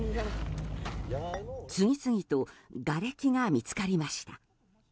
次々とがれきが見つかりました。